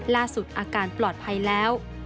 ล่าสุดอาการปลอดภัยแล้ว